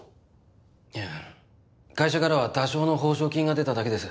いや会社からは多少の報奨金が出ただけです。